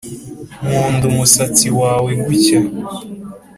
nkunda umusatsi wawe gutya.